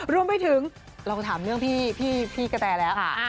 รวมไปถึงเราถามเรื่องพี่กะแตแล้ว